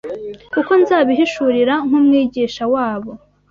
kuko nzabihishurira nk’Umwigisha wabo.”